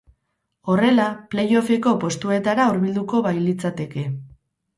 Horrela, play-offeko postuetara hurbilduko bailitzateke.